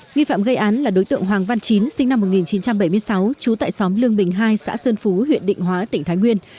nghi phạm gây án là đối tượng hoàng văn chín sinh năm một nghìn chín trăm bảy mươi sáu trú tại xóm lương bình hai xã sơn phú huyện định hóa tỉnh thái nguyên